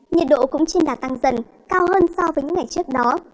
nhiệt độ cũng trên đà tăng dần cao hơn so với những ngày trước đó